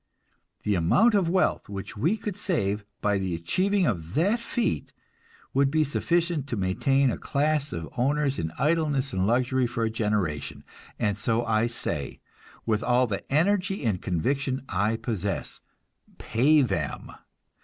The amount of wealth which we could save by the achieving of that feat would be sufficient to maintain a class of owners in idleness and luxury for a generation; and so I say, with all the energy and conviction I possess, pay them!